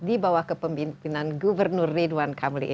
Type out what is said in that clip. di bawah kepemimpinan gubernur ridwan kamil